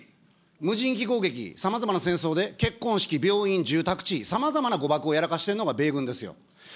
無人機攻撃、さまざまな戦争で結婚式、病院、住宅地、さまざまな誤爆をやらかしているのが米軍ですよ。